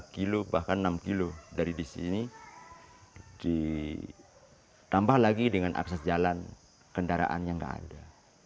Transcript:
lima kilo bahkan enam kilo dari di sini ditambah lagi dengan akses jalan kendaraan yang nggak ada